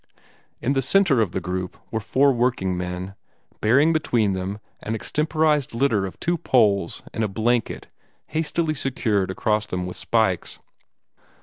In the centre of the group were four working men, bearing between them an extemporized litter of two poles and a blanket hastily secured across them with spikes.